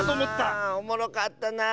ああおもろかったなあ。